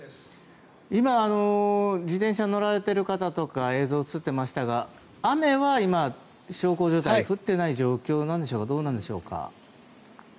今自転車に乗られてる方とか映像に映っていましたが雨は今、小康状態で降っていない状況なんでしょうかどうなんでしょうか。